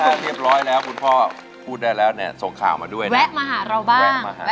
ถ้าเรียบร้อยแล้วคุณพ่อพูดได้แล้วนี่ส่งข่าวมาด้วยนะ